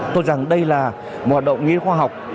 tôi rằng đây là một hoạt động nghiên khoa học